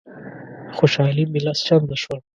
خوشالي مي لس چنده شوه.